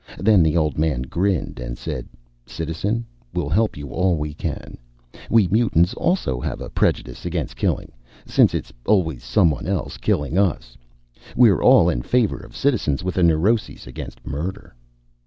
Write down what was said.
Then the old man grinned and said, "Citizen, we'll help you all we can. We mutants also have a prejudice against killing, since it's always someone else killing us. We're all in favor of citizens with a neurosis against murder."